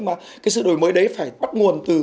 mà cái sự đổi mới đấy phải bắt nguồn